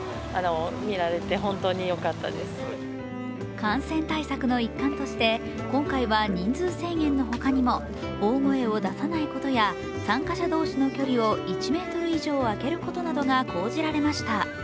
感染対策の一環として、今回は人数制限の他にも大声を出さないことや参加者同士の距離を１ｍ以上あけることなどが講じられました。